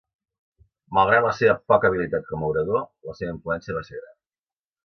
Malgrat la seva poca habilitat com a orador, la seva influència va ser gran.